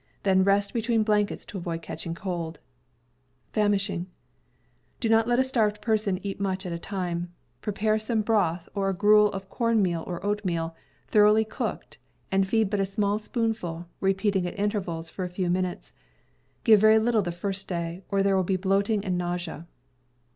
Then rest between blankets to avoid catching cold. Do not let a starved person eat much at a time. Pre pare some broth, or a gruel of corn meal or oatmeal ... thoroughly cooked, and feed but a small ^* spoonful, repeating at intervals of a few minutes. Give very little the first day, or there will be bloating and nausea.